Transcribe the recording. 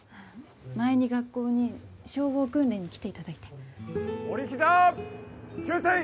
前に学校に消防訓練に来ていただいて折りひざ注水！